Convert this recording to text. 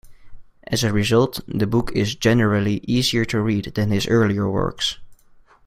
As a result, the book is generally easier to read than his earlier works.